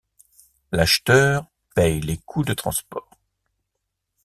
L'acheteur paye les coûts de transport.